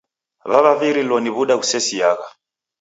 W'avavirilo ni w'uda ghusesiagha.